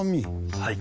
はい。